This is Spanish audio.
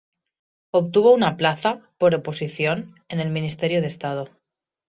Obtuvo una plaza, por oposición, en el Ministerio de Estado.